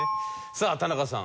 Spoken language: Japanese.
さあ田中さん。